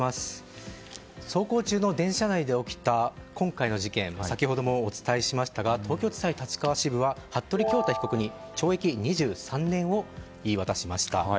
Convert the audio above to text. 走行中の電車内で起きた今回の事件先ほどもお伝えしましたが東京地裁立川支部は服部恭太被告に懲役２３年を言い渡しました。